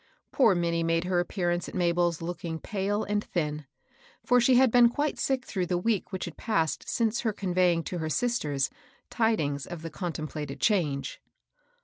Poor Minnie made her appearance at Mabel's, looking pale and thin ; for she had been quite sick through the week which had passed since her conveying to her sisters tidings of the contemplated change.